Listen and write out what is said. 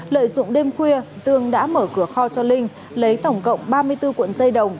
lợi dụng đêm khuya dương đã mở cửa kho cho linh lấy tổng cộng ba mươi bốn cuộn dây đồng